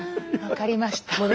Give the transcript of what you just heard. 分かりました。